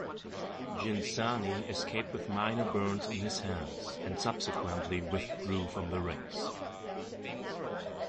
Ghinzani escaped with minor burns on his hands, and subsequently withdrew from the race.